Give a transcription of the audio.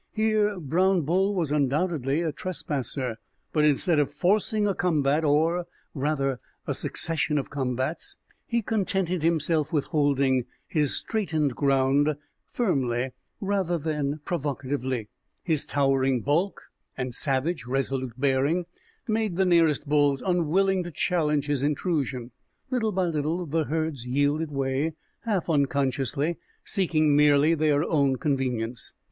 Here Brown Bull was undoubtedly a trespasser. But instead of forcing a combat or, rather, a succession of combats, he contented himself with holding his straitened ground firmly rather than provocatively. His towering bulk and savage, resolute bearing made the nearest bulls unwilling to challenge his intrusion. Little by little the herds yielded way, half unconsciously, seeking merely their own convenience.